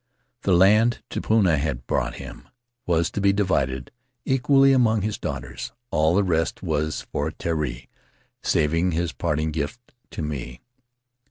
The land Tupuna had brought him was to be divided equally among his daughters; all the rest was for Terii, saving his parting gift to me.